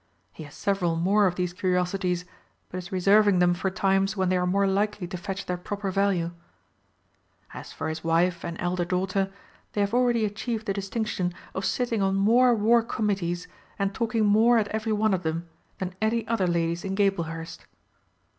He has several more of these curiosities, but is reserving them for times when they are more likely to fetch their proper value. As for his wife and elder daughter, they have already achieved the distinction of sitting on more War Committees, and talking more at every one of them, than any other ladies in Gablehurst.